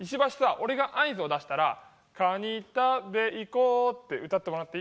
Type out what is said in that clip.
俺が合図を出したら「カニ食べ行こう」って歌ってもらっていい？